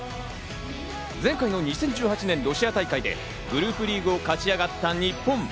前回の２０１８年、ロシア大会でグループリーグを勝ち上がった日本。